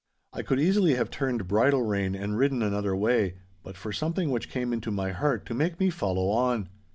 I could easily have turned bridle rein and ridden another way, but for something which came into my heart to make me follow on.